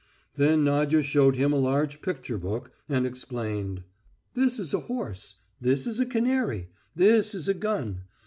Then Nadya showed him a large picture book, and explained: "This is a horse, this is a canary, this is a gun....